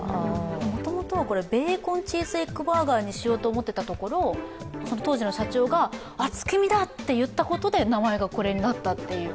もともとはベーコンチーズエッグバーガーにしようと思ってたところ、当時の社長が、「月見だ」と言ったことで名前が月見になったという。